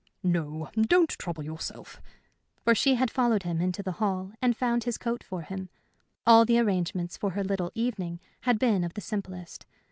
"No, don't trouble yourself." For she had followed him into the hall and found his coat for him. All the arrangements for her little "evening" had been of the simplest.